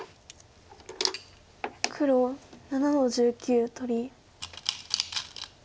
黒７の十九取り。